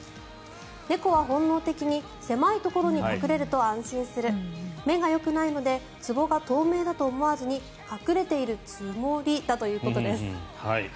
猫は本能的に狭いところに隠れると安心する目がよくないのでつぼが透明だと思わずに隠れているつもりだということです。